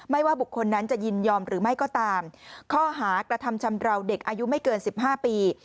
ว่าบุคคลนั้นจะยินยอมหรือไม่ก็ตามข้อหากระทำชำราวเด็กอายุไม่เกินสิบห้าปี